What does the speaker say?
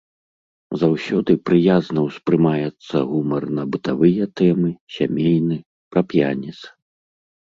Заўсёды прыязна ўспрымаецца гумар на бытавыя тэмы, сямейны, пра п'яніц.